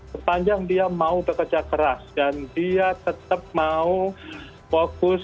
sepanjang dia mau bekerja keras dan dia tetap mau fokus